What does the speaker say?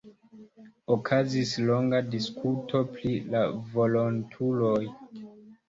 Okazis longa diskuto pri la volontuloj.